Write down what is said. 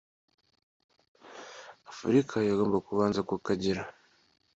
Afurika igomba kubanza kukagira